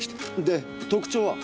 で特徴は？